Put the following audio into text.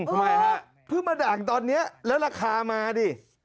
ทำไมฮะเพิ่งมาด่างตอนนี้แล้วราคามาดิ